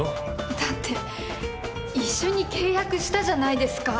だって一緒に契約したじゃないですか。